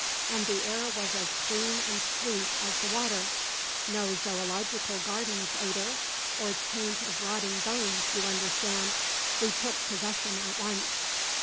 And the air was as clean and sweet as the water; no Zoological Gardens odour, or taint of rotting bones, you understand. We took possession at once.